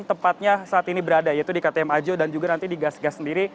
tepatnya saat ini berada yaitu di ktm ajo dan juga nanti di gas gas sendiri